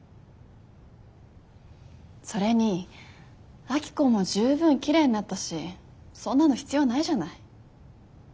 それにアキコも十分きれいになったしそんなの必要ないじゃない。